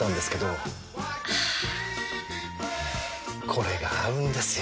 これが合うんですよ！